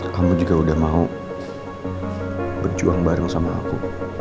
kamu juga udah mau berjuang bareng sama aku